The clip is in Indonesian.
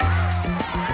tuk tuk tuk